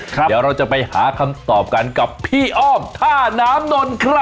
เดี๋ยวเราจะไปหาคำตอบกันกับพี่อ้อมท่าน้ำนนท์ครับ